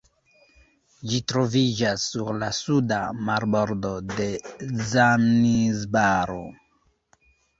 Ĝi troviĝas sur la suda marbordo de Zanzibaro.